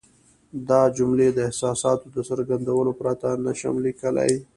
دا جملې د احساساتو د څرګندولو پرته نه شم لیکلای.